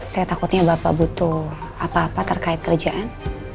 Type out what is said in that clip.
saya takutnya bapak butuh apa apa terkait kerjaan